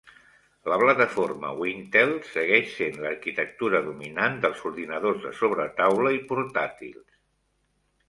La plataforma Wintel segueix sent l'arquitectura dominant dels ordinadors de sobretaula i portàtils.